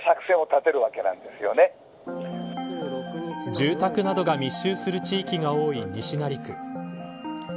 住宅などが密集する地域が多い西成区。